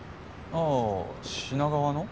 ああ品川の？